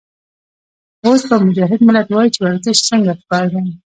اوس به مجاهد ملت وائي چې ورزش څنګه پکار دے